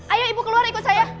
ayo ibu keluar ikut saya